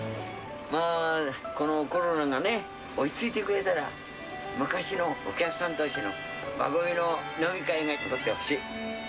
まあ、このコロナがね、落ち着いてくれたら、昔のお客さんどうしの和みの飲み会が戻ってほしい。